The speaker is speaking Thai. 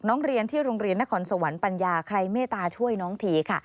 น้องเรียนที่โรงเรียนนครสวรรค์ปัญญาใครเมตตาช่วยน้องทีค่ะ